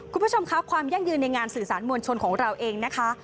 คุณผู้ชมค่ะความยั่งยืนในงานสื่อสารมวลชนของเราเองนะคะ